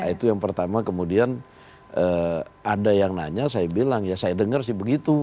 itu yang pertama kemudian ada yang nanya saya bilang ya saya dengar sih begitu